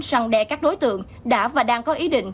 săn đe các đối tượng đã và đang có ý định